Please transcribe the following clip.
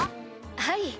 はい。